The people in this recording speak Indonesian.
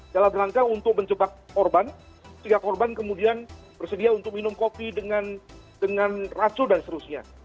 dalam rangka untuk mencebak korban kemudian bersedia untuk minum kopi dengan racun dan seterusnya